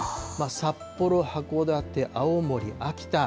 札幌、函館、青森、秋田。